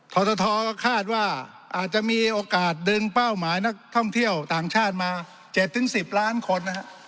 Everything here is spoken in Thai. ททก็คาดว่าอาจจะมีโอกาสดึงเป้าหมายนักท่องเที่ยวต่างชาติมา๗๑๐ล้านคนนะฮะ